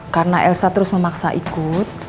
karena elsa terus memaksa ikut